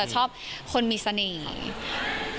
ชอบคนมีเสน่ห์